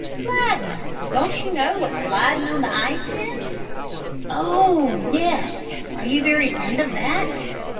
"Slidin'. Don't you know what sliding on the ice is?" "Oh! yes. Are you very fund of that?"